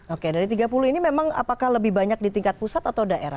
oke dari tiga puluh ini memang apakah lebih banyak di tingkat pusat atau daerah